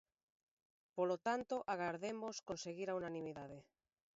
Polo tanto, agardemos conseguir a unanimidade.